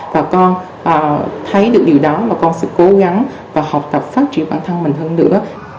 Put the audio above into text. và con thấy được điều đó mà con sẽ cố gắng và học tập phát triển bản thân mình hơn nữa